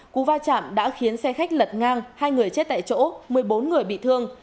cú va chạm đã khiến xe khách lật ngang hai người chết tại chỗ một mươi bốn người bị thương